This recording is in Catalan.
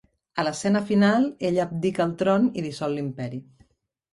A l'escena final ella abdica el tron i dissol l'imperi.